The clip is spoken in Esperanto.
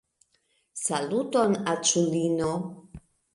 Saluton aĉulino